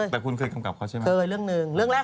แต่คุณเคยกำกับเขาใช่มั้ย